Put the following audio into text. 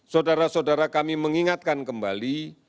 saudara saudara kami mengingatkan kembali